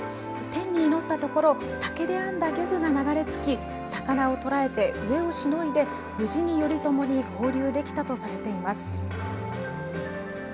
天に祈ったところ竹で編んだ漁具が流れ着き魚を捕らえて飢えをしのいで無事に頼朝に合流できたとされています。